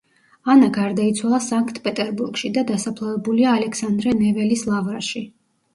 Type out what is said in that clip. ანა გარდაიცვალა სანქტ პეტერბურგში და დასაფლავებულია ალექსანდრე ნეველის ლავრაში.